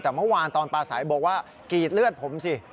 แต่เมื่อวานตอนปลาสายบอกว่ากรีดเลือดผมสิ